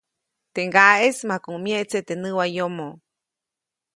Teʼ ŋgaʼeʼis makuʼuŋ myeʼtse teʼ näwayomo.